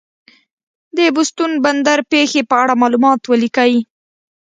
د بوستون بندر پېښې په اړه معلومات ولیکئ.